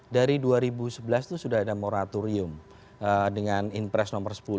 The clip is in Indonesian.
dari dua ribu sebelas itu sudah ada moratorium dengan impres nomor sepuluh